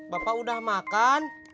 bapak sudah makan